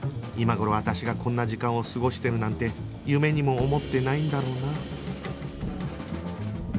今頃私がこんな時間を過ごしてるなんて夢にも思ってないんだろうな